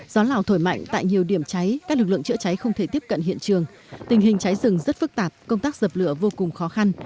gió lào thổi mạnh tại nhiều điểm cháy các lực lượng chữa cháy không thể tiếp cận hiện trường tình hình cháy rừng rất phức tạp công tác dập lửa vô cùng khó khăn